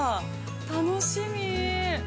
楽しみ。